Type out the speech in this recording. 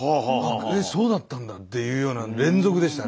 えっそうだったんだっていうような連続でしたね